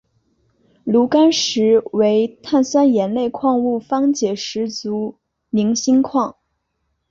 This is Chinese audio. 炉甘石为碳酸盐类矿物方解石族菱锌矿。